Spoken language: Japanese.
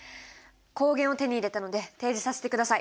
抗原を手に入れたので提示させてください。